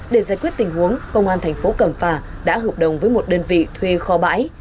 để giải quyết tình huống công an thành phố cẩm phà đã hợp đồng với một đơn vị thuê kho bãi